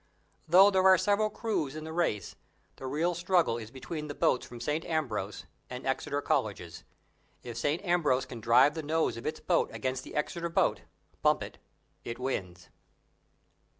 Though there are several crews in the race the real struggle is between the boats from St. Ambrose and Exeter Colleges. If St. Ambrose can drive the nose of its boat against the Exeter boat "bump it" it wins.)